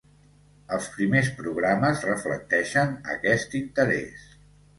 Els primers programes reflecteixen aquest interès.